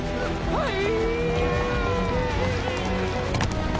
はい！